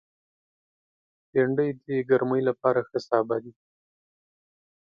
بېنډۍ د ګرمۍ لپاره ښه سابه دی